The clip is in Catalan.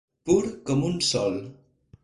Pur com un sol.